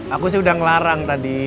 aku sih udah ngelarang tadi